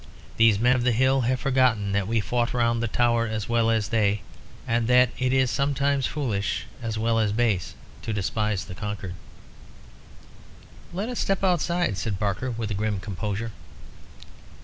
These men of the Hill have forgotten that we fought round the Tower as well as they, and that it is sometimes foolish, as well as base, to despise the conquered." "Let us step outside," said Barker, with a grim composure.